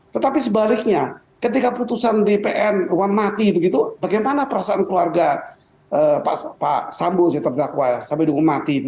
tetapi sebaliknya ketika putusan bpn uang mati begitu bagaimana perasaan keluarga pak sambul terdakwa sampai mati